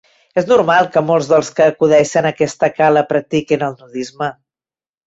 És normal que molts dels que acudeixen a aquesta cala practiquin el nudisme.